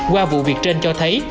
qua vụ việc trên cho thấy